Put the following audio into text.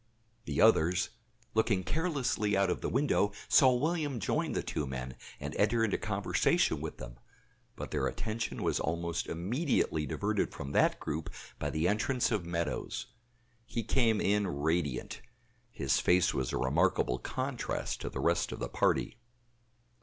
The others, looking carelessly out of the window, saw William join the two men and enter into conversation with them; but their attention was almost immediately diverted from that group by the entrance of Meadows. He came in radiant; his face was a remarkable contrast to the rest of the party.